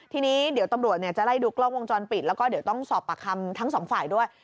ทีนี้เดี๋ยวตำรวจจะไล่ดูกล้องวงจรปิดแล้วก็เดี๋ยวต้องสอบปากคำทั้งสองฝ่ายด้วย